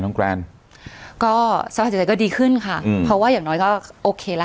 น้องแกรนก็สวัสดีใจก็ดีขึ้นค่ะอืมเพราะว่าอย่างน้อยก็โอเคแล้ว